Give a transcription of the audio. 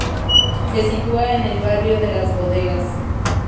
Se sitúa en el barrio de las Bodegas.